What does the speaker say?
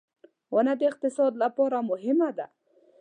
• ونه د اقتصاد لپاره مهمه ده.